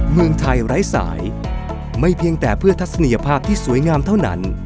เมืองไทยไร้สายไม่เพียงแต่เพื่อทัศนียภาพที่สวยงามเท่านั้น